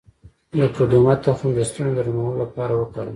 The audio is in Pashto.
د قدومه تخم د ستوني د نرمولو لپاره وکاروئ